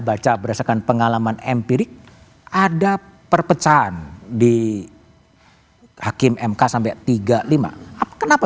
baca berdasarkan pengalaman empirik ada perpecahan di hakim mk sampai tiga puluh lima kenapa